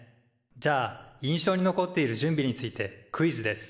じゃあ印象に残っている準備についてクイズです。